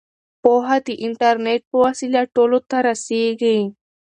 پوهه د انټرنیټ په وسیله ټولو ته رسیږي.